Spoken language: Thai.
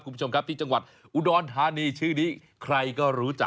คุณผู้ชมครับที่จังหวัดอุดรธานีชื่อนี้ใครก็รู้จัก